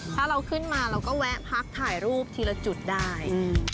ถ้าเราขึ้นมาเราก็แวะพักถ่ายรูปทีละจุดได้